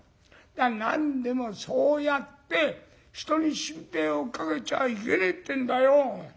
何でもそうやって人に心配をかけちゃいけねえってんだよ。なあ？